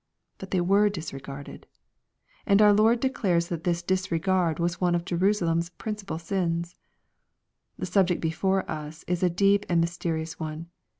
But they were dis regarded ! And our Lord declares that this disregard was one of Jerusalem's principal sins. The subject before us is a deep and mysterious one.